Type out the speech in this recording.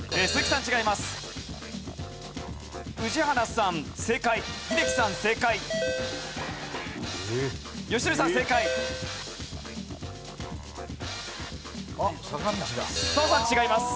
砂羽さん違います。